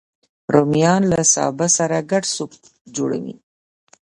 رومیان له سابه سره ګډ سوپ جوړوي